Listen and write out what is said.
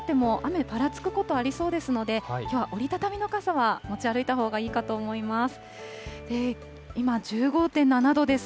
日中にかけても雨、ぱらつくことありそうですので、きょう、折り畳みの傘は持ち歩いたほうがいいかと思います。